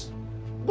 nah kamu thai